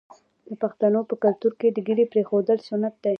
د پښتنو په کلتور کې د ږیرې پریښودل سنت دي.